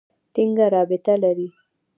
ټینګه رابطه لري.